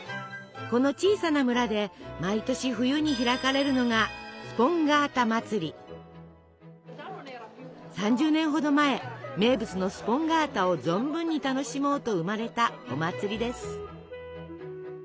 この小さな村で毎年冬に開かれるのが３０年ほど前名物のスポンガータを存分に楽しもうと生まれたお祭りです。